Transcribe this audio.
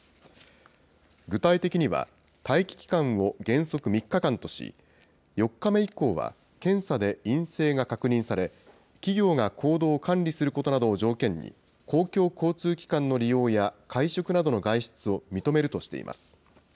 具体的には、待機期間を原則３日間とし、４日目以降は検査で陰性が確認され、企業が行動を管理することなどを条件に、公共交通機関の利用や会食などの外出を認めるとしています。